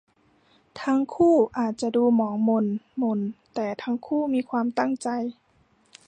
ทั้งคู่อาจจะดูหมองหม่นหม่นแต่ทั้งคู่มีความตั้งใจ